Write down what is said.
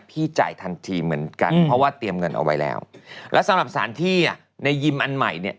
จ่ายทันทีเหมือนกันเพราะว่าเตรียมเงินเอาไว้แล้วแล้วสำหรับสารที่อ่ะในยิมอันใหม่เนี่ย